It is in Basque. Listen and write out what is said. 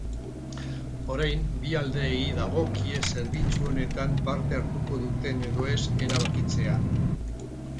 Orain, bi aldeei dagokie zerbitzu honetan parte hartuko duten edo ez erabakitzea.